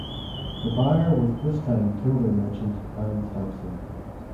The buyer was this time timber merchant Hans Hansen.